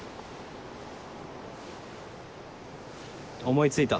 思いついた。